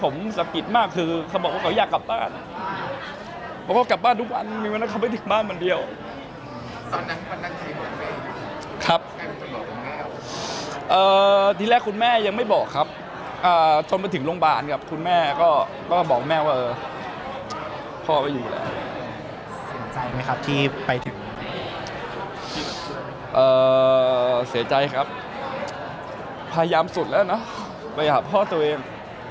ผมก็คิดว่าเออแน่นแถวเนี้ยผมก็คิดว่าเออแน่นแถวเนี้ยผมก็คิดว่าเออแน่นแถวเนี้ยผมก็คิดว่าเออแน่นแถวเนี้ยผมก็คิดว่าเออแน่นแถวเนี้ยผมก็คิดว่าเออแน่นแถวเนี้ยผมก็คิดว่าเออแน่นแถวเนี้ยผมก็คิดว่าเออแน่นแถวเน